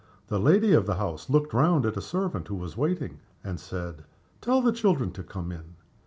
The lady of the house looked round at the servant who was waiting, and said, "Tell the children to come in."